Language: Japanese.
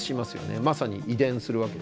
まさに遺伝するわけですよね。